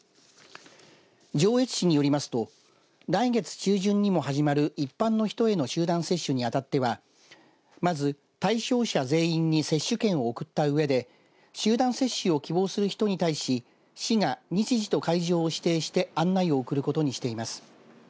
上越市によりますと来月中旬にも始まる一般の人への集団接種にあたってはまず、対象者全員に接種券を送ったうえで集団接種を希望する人に対し市が日時と会場を指定して案内を送ることにしています。